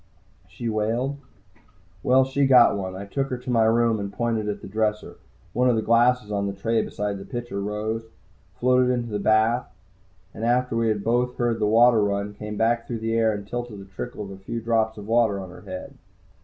she wailed. Well, she got one. I took her to my room, pointed at the dresser. One of the glasses on the tray beside a pitcher rose, floated into the bath and, after we had both heard the water run, came back through the air and tilted to trickle a few drops of water onto her head.